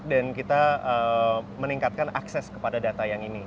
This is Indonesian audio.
dan kita meningkatkan akses kepada data yang ini